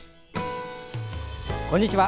こんにちは。